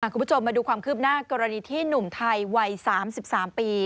คุณผู้ชมมาดูความคืบหน้ากรณีที่หนุ่มไทยวัย๓๓ปี